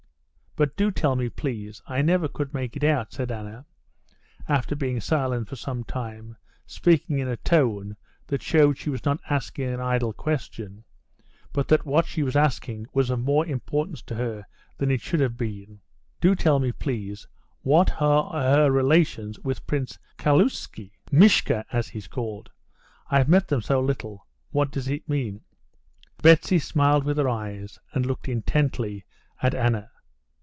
"But do tell me, please, I never could make it out," said Anna, after being silent for some time, speaking in a tone that showed she was not asking an idle question, but that what she was asking was of more importance to her than it should have been; "do tell me, please, what are her relations with Prince Kaluzhsky, Mishka, as he's called? I've met them so little. What does it mean?" Betsy smiled with her eyes, and looked intently at Anna.